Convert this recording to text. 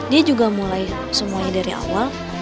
dia juga mulai semuanya dari awal